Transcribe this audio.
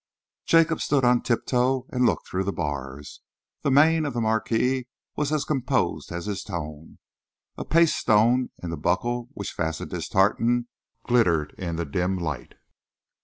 Jacob stood on tiptoe and looked through the bars. The mien of the Marquis was as composed as his tone. A paste stone in the buckle which fastened his tartan glittered in the dim light.